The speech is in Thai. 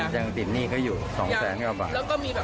ยังดินหนี้คืออยู่๒๐๐๐๐๐กว่าบาท